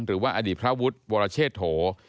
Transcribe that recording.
หรือว่าอดีตพระวุฒิวรเชษโถ